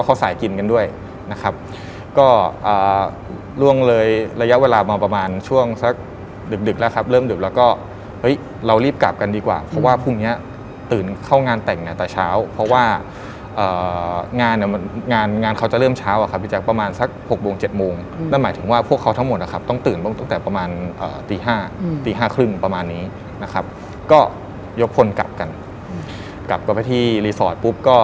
ก็ล่วงเลยระยะเวลามาประมาณช่วงสักดึกแล้วครับเริ่มดึกแล้วก็เรารีบกลับกันดีกว่าเพราะว่าพรุ่งนี้ตื่นเข้างานแต่งแต่เช้าเพราะว่างานเขาจะเริ่มเช้าอ่ะครับอีกจากประมาณสัก๖บวง๗โมงนั่นหมายถึงว่าพวกเขาทั้งหมดต้องตื่นตั้งแต่ประมาณตี๕ครึ่งประมาณนี้นะครับก็ยกพลกลับกันกลับไปที่รีสอร์ท